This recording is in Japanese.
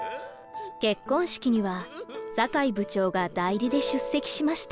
結婚式には坂井部長が代理で出席しました